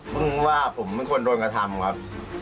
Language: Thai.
เพิ่งว่าผมไม่ควรโดนกระธรรมครับ